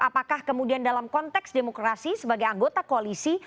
apakah kemudian dalam konteks demokrasi sebagai anggota koalisi